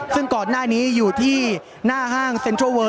ซึ่งก่อนหน้านี้อยู่ที่หน้าห้างเซ็นทรัลเวอร์